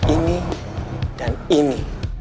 ini dan ini